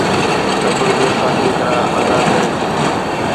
صبر به ساڳيءَ طرح ادا ڪري ٿو.